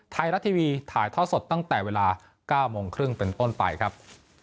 ไทยรัฐทีวีถ่ายท่อสดตั้งแต่เวลา๙โมงครึ่งเป็นต้นไปครับ